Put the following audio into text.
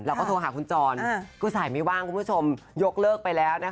เราก็โทรหาคุณจรคุณสายไม่ว่างคุณผู้ชมยกเลิกไปแล้วนะคะ